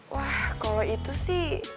wah kalau itu sih